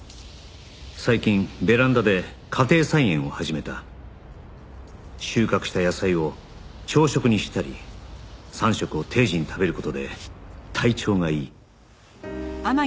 「最近ベランダで家庭菜園を始めた」「収穫した野菜を朝食にしたり３食を定時に食べる事で体調がいい」